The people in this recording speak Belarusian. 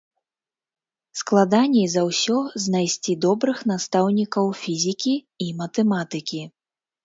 Складаней за ўсё знайсці добрых настаўнікаў фізікі і матэматыкі.